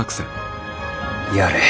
やれ。